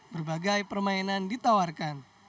berbagai permainan ditawarkan